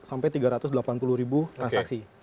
sampai tiga ratus delapan puluh ribu transaksi